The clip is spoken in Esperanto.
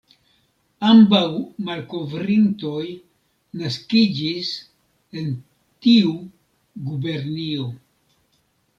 Ambaŭ malkovrintoj naskiĝis en tiu gubernio.